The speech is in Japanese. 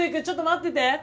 ちょっと待ってて。